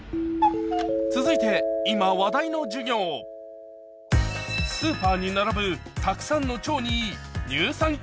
続いて今話題の授業スーパーに並ぶたくさんの商品